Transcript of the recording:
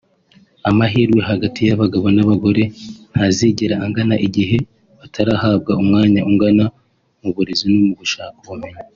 Amahirwe hagati y’abagabo n’abagore ntazigera angana igihe batarahabwa umwanya ungana mu burezi no gushaka ubumenyi